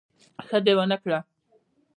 ښه دي ونکړه